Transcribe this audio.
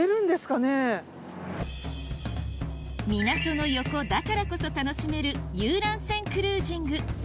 港の横だからこそ楽しめる遊覧船クルージング